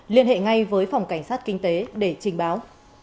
liên hệ ngay với phòng cảnh sát kinh tế để trình báo